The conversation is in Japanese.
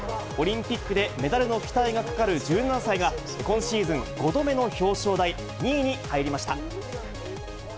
オリンピックでメダルの期待がかかる１７歳が、今シーズン５度目の表彰台、２位に入りました。